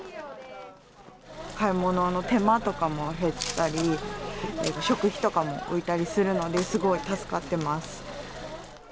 買い物の手間とかも減ったり、食費とかも浮いたりするので、すごい助かってます。